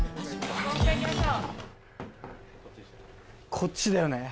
こっちだよね。